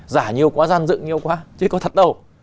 giả nhiều quá gian dựng nhiều quá chứ có thật đâu